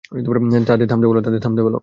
তাদের থামতে বল।